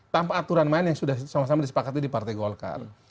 tanpa aturan main yang sudah sama sama disepakati di partai golkar